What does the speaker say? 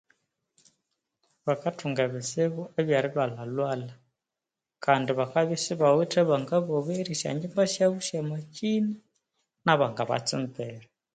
Bakathunga ebitsibu ebyeri lhwalhalhwalha kandi bakabya isibawithe abangabogherya esyangyimba syabu syama kyina na Banga batsumbira